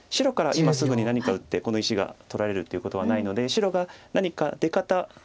今すぐに何か打ってこの石が取られるってことはないので白が何か出方どちらにノビるか。